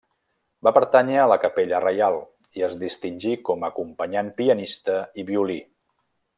Va pertànyer a la capella reial i es distingí com acompanyant pianista i violí.